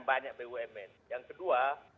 banyak bumn yang kedua